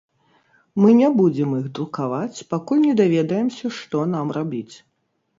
Мы не будзем іх друкаваць, пакуль не даведаемся, што нам рабіць.